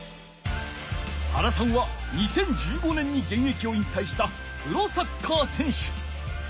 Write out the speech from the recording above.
原さんは２０１５年にげんえきを引たいしたプロサッカー選手。